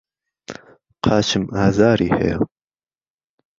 قاچم ئازاری هەیە.